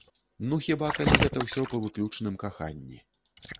Ну, хіба, калі гэта ўсё па выключным каханні.